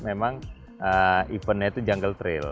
memang eventnya itu jungle trail